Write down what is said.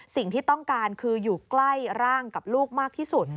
สิ่งที่ต้องการคืออยู่ใกล้ร่างกับลูกมากที่สุด